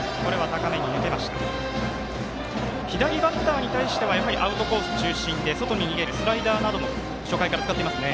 左バッターに対してはアウトコース中心で外に逃げるスライダーなども初回から使ってきますね。